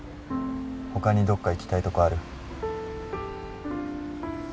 他にどっか行きたいとこある？